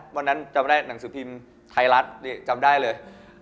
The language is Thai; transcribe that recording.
วันนั้นจำได้หนังสือพิมพ์ไทยรัฐนี่จำได้เลย